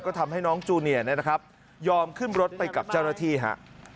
ก็ทำให้น้องจูเนียนะครับยอมขึ้นรถไปกับเจ้าหน้าที่ฮะ